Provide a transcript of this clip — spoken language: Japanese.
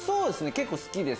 結構好きです。